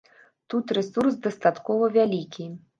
Тут рэсурс дастаткова вялікі.